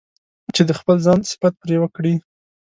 چې د خپل ځان صفت پرې وکړي.